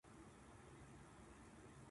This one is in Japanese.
マジでなんなん